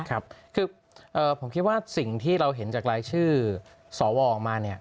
คือผมคิดว่าสิ่งที่เราเห็นจากรายชื่อสวออกมาเนี่ย